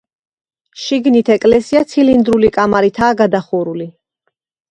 შიგნით ეკლესია ცილინდრული კამარითაა გადახურული.